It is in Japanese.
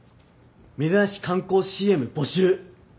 芽出菜市観光ＣＭ募集！